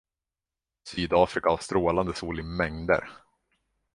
Sydafrika har strålande sol i mängder.